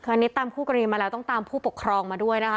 อันนี้ตามคู่กรณีมาแล้วต้องตามผู้ปกครองมาด้วยนะคะ